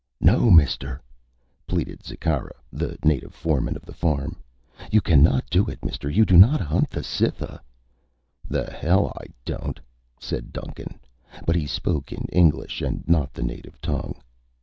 "No, mister," pleaded Zikkara, the native foreman of the farm. "You cannot do it, mister. You do not hunt a Cytha." "The hell I don't," said Duncan, but he spoke in English and not the native tongue.